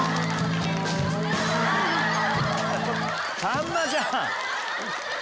さんまちゃん！